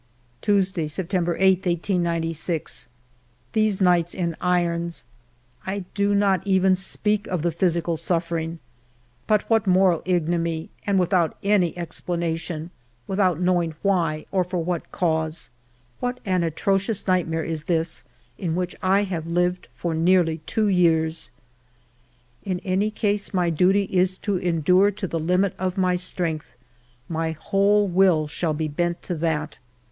Tuesday J September 8, 1896. These nights in irons ! I do not even speak of the physical suffering, but what moral ignominy, and without any explanation, without knowing why or for what cause ! What an atrocious ALFRED DREYFUS 213 nightmare is this in which I have lived for nearly two years ! In any case, my duty is to endure to the limit of my strength ; my whole will shall be bent to that.